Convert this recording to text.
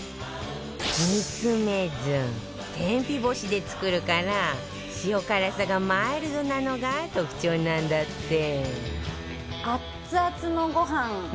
煮詰めず天日干しで作るから塩辛さがマイルドなのが特徴なんだって